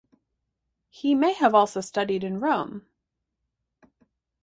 He may also have studied in Rome.